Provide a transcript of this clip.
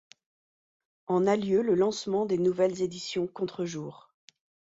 En a lieu le lancement des nouvelles éditions Contrejour.